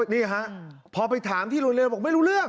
นี่ฮะพอไปถามที่โรงเรียนบอกไม่รู้เรื่อง